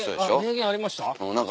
名言ありました？